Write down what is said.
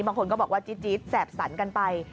บางคนก็บอกว่าจี๊ดแสบสันกันไป